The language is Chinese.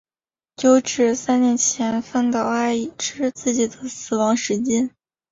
有指三年前饭岛爱已知自己的死亡时间。